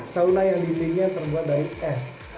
sauna yang dindingnya terbuat dari es